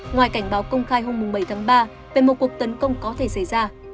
ngoài cảnh báo công khai hôm bảy tháng ba về một cuộc tấn công có thể xảy ra